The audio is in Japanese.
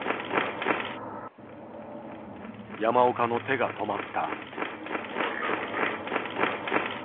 山岡の手が止まった。